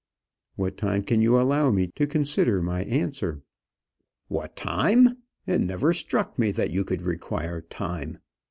"What time can you allow me to consider my answer?" "What time! It never struck me that you could require time.